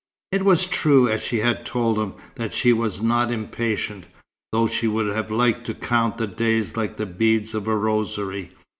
It was true, as she had told him, that she was not impatient, though she would have liked to count the days like the beads of a rosary.